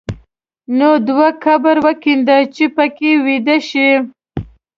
نو دوه قبره وکینده چې په کې ویده شې.